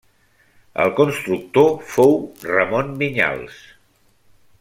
El constructor fou Ramon Vinyals.